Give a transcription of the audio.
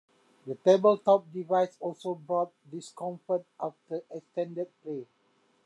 The table-top device also brought discomfort after extended play.